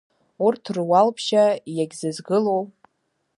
Урҭ руал-ԥшьа, иагьзызгылоу…